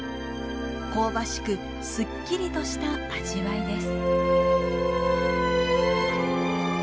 香ばしくすっきりとした味わいです。